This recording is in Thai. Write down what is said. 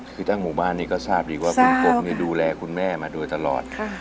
คือทั้งหมู่บ้านนี้ก็ทราบดีว่าคุณกบดูแลคุณแม่มาโดยตลอด